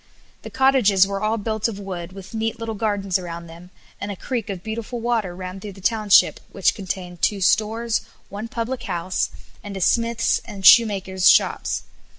The cottages were all built of wood, with neat little gardens around them, and a creek of beautiful water ran through the township, which contained two stores, one public house, and smith's and shoemaker's shops.